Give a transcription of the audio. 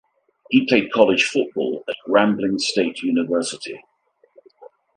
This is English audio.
He played college football at Grambling State University.